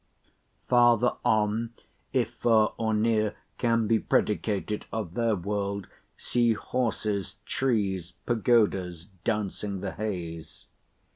Farther on—if far or near can be predicated of their world—see horses, trees, pagodas, dancing the hays.